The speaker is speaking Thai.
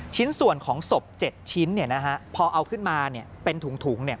ชิ้นส่วนของศพ๗ชิ้นพอเอาขึ้นมาเป็นถุง